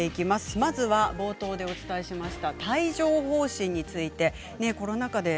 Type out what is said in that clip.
まずは冒頭でお伝えしました帯状ほう疹についてです。